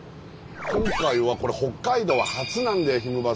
今回はこれ北海道は初なんだよ「ひむバス！」は。